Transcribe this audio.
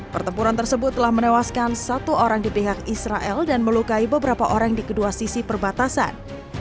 pertempuran tersebut telah menewaskan satu orang di pihak israel dan melukai beberapa orang di kedua sisi perbatasan